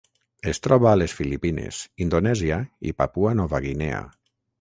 Es troba a les Filipines, Indonèsia i Papua Nova Guinea.